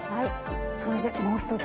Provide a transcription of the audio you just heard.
それでもう一つ。